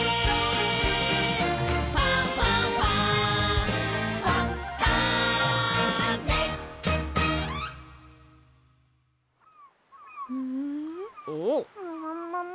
「ファンファンファン」もももも。